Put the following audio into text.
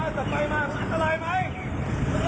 แกขนาดเนี่ยไม่รู้ว่ามันพ่อกูได้มั้ยมึงอ่ะ